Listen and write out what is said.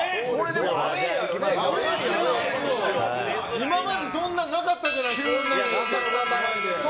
今までそんななかったじゃないですか。